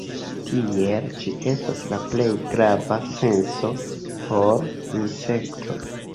Tiele, ĝi estas la plej grava senso por insektoj.